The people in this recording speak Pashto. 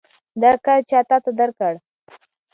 دغه کارت چا تاته درکړ؟